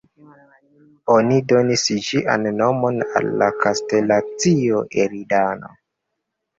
Oni donis ĝian nomon al la konstelacio Eridano.